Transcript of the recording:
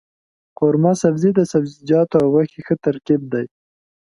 قورمه سبزي د سبزيجاتو او غوښې ښه ترکیب دی.